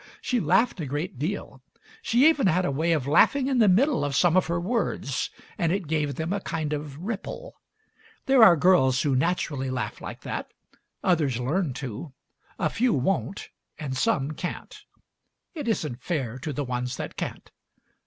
She laughed a great deal. She even had a way of laughing in the middle of some of her words, and it gave them a kind of ripple. There are girls who naturally laugh like that; others learn to; a few won't, and some can't. It isn't fair to the ones that can't.